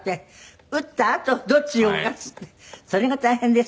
打ったあとどっちを動かすってそれが大変ですよね。